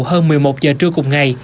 hơn một mươi một giờ trưa cùng ngày